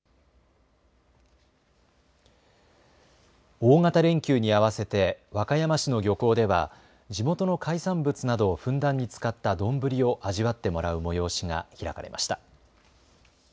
大型連休に合わせて和歌山市の漁港では地元の海産物などをふんだんに使った丼を味わってもらう催しが開かれました。